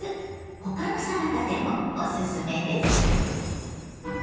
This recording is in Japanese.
他のサラダでもおすすめです。